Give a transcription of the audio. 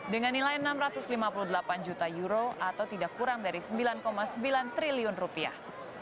dengan nilai enam ratus lima puluh delapan juta euro atau tidak kurang dari sembilan sembilan triliun rupiah